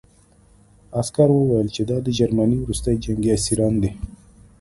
عسکر وویل چې دا د جرمني وروستي جنګي اسیران دي